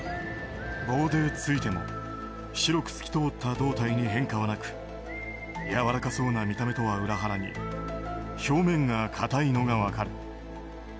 棒でつついても白く透き通った胴体に変化はなくやわらかそうな見た目とは裏腹に表面が硬いのが分かる。